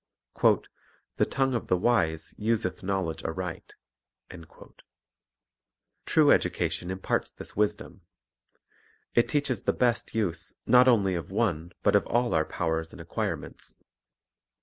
"The tongue of the wise useth knowledge aright." 1 True education imparts this wisdom. It teaches the best use not only of one but of all our powers and acquirements.